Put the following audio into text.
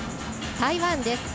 台湾です。